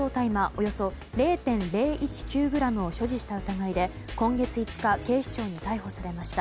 およそ０．０１９ｇを所持した疑いで今月５日、警視庁に逮捕されました。